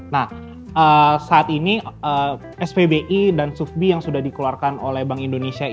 nah saat ini spbi dan sufbi yang sudah dikeluarkan oleh bank indonesia